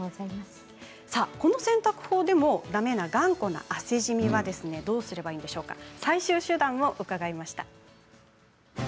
この洗濯法でも、だめな頑固な汗じみはどうすればいいんでしょうか最終手段も伺いました。